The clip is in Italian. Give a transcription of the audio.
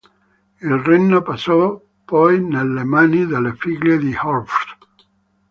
Il regno passò poi nelle mani delle figlie di Hrólfr.